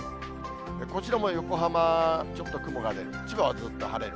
こちらも横浜、ちょっと雲が出ると、千葉はずっと晴れる。